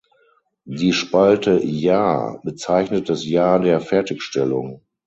Die Spalte "Jahr" bezeichnet das Jahr der Fertigstellung.